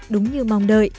đúng như mong đợi